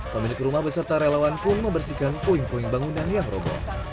pemilik rumah beserta relawan pun membersihkan puing puing bangunan yang robo